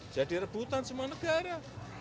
jadi rebutan semua negara